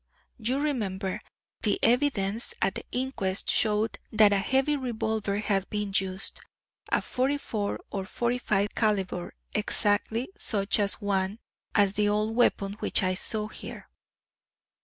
You remember, the evidence at the inquest showed that a heavy revolver had been used a 44 or 45 calibre exactly such an one as the old weapon which I saw here."